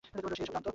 সে এসব জানত।